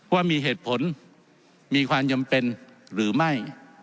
ว่ามีเหตุผลมีความจำเป็นหรือไม่